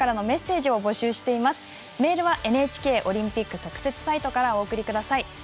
メールはＮＨＫオリンピック特設サイトからお送りください。